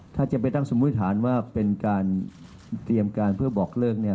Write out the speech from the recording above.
ถ้าจะไปตั้งสมมุติฐานว่าเป็นการเตรียมการเพื่อบอกเลิกเนี่ย